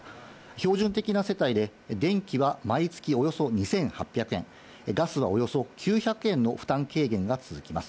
標準的な世帯で、電気は毎月およそ２８００円、ガスはおよそ９００円の負担軽減が続きます。